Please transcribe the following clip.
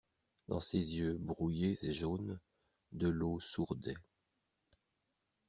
Dans ses yeux brouillés et jaunes, de l'eau sourdait.